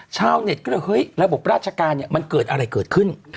ชาวเน็ตก็เลยเฮ้ยระบบราชการเนี่ยมันเกิดอะไรเกิดขึ้น